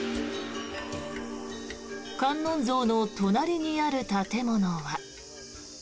観音像の隣にある建物は。